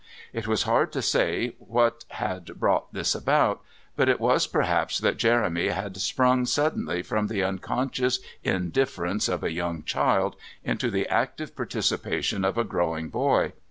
It was hard to say what had brought this about, but it was perhaps that Jeremy had sprung suddenly from the unconscious indifference of a young child into the active participation of a growing boy.